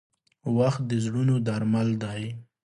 • وخت د زړونو درمل دی.